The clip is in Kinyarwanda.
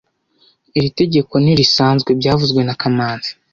Iri tegeko ntirisanzwe byavuzwe na kamanzi